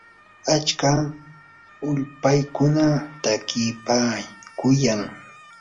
achka ulpaykuna takipaakuyan.